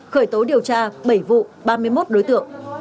khởi tố điều tra bảy vụ ba mươi một đối tượng